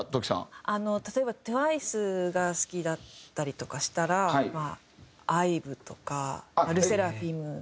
例えばＴＷＩＣＥが好きだったりとかしたらＩＶＥとかＬＥＳＳＥＲＡＦＩＭ。